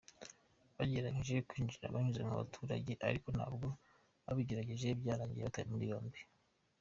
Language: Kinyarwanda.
Bagerageje kwinjira banyuze mu baturage ariko nabwo ababigerageje byarangiye batawe muri yombi.